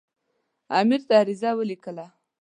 امیر ته عریضه ولیکله.